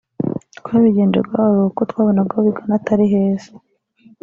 twabigenje gahoro kuko twabonaga aho bigana Atari heza